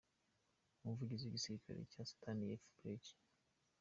Umuvugizi w’igisirikare cya Sudani y’Epfo, Brig.